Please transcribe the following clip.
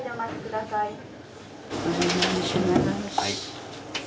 はい。